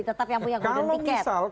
jadi tetap yang punya golden ticket